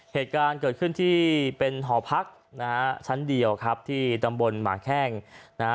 เหตุการณ์เกิดขึ้นที่เป็นหอพักนะฮะชั้นเดียวครับที่ตำบลหมาแข้งนะฮะ